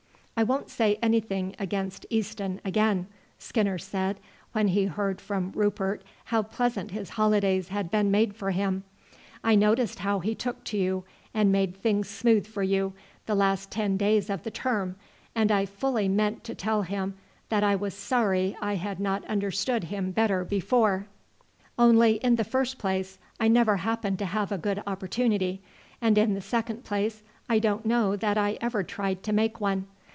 "I won't say anything against Easton again," Skinner said when he heard from Rupert how pleasant his holidays had been made for him. "I noticed how he took to you and made things smooth for you the last ten days of the term, and I fully meant to tell him that I was sorry I had not understood him better before; only, in the first place, I never happened to have a good opportunity, and in the second place I don't know that I ever tried to make one.